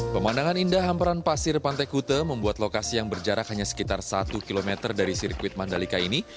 pemandangan indah hamperan pasir pantai kute membuat lokasi yang berjarak hanya sekitar satu km dari sirkuit mandalika ini